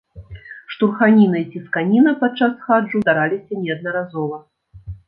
Штурханіна і цісканіна падчас хаджу здараліся неаднаразова.